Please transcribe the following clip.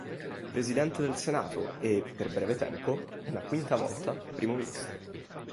Fu Presidente del Senato e, per breve tempo, una quinta volta, Primo ministro.